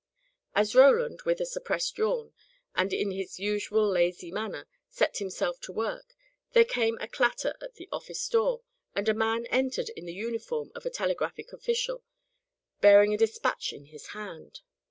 As Roland, with a suppressed yawn, and in his usual lazy manner, set himself to work, there came a clatter at the office door, and a man entered in the uniform of a telegraphic official, bearing a despatch in his hand.